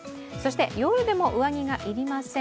夜でも上着が要りません。